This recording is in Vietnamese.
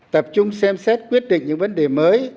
tập trung xem xét quyết định những vấn đề mới